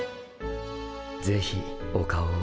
ぜひお顔を。